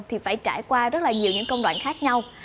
thì phải trải qua rất là nhiều những công đoạn khác nhau